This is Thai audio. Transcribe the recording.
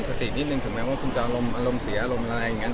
ศตินิดนึงถึงแม้ว่ามีอารมณ์สีอารมณ์อะไรอย่างนั้น